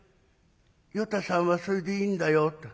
『与太さんはそれでいいんだよ。